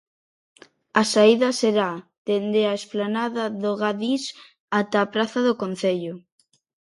A saída será dende a explanada do Gadis ata a praza do concello.